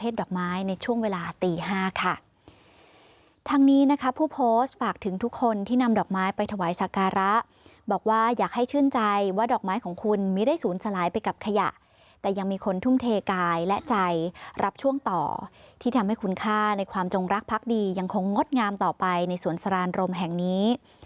ทางนี้นะครับผู้โพสต์ฝากถึงทุกคนที่นำดอกไม้ไปถวายศักราบอกว่าอยากให้ชื่นใจว่าดอกไม้ของคุณมีได้ศูนย์สลายไปกับขยะแต่ยังมีคนทุ่มเทกายและใจรับช่วงต่อที่ทำให้คุณค่าในความจงรักพักดียังคงงดงามต่อไปในสวนสรานรมแห่งนี้